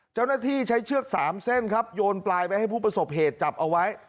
เจ้าหน้าที่ใช้เชือก๓เส้นครับโยนปลายไปให้ผู้ประสบเหตุจับเอาไว้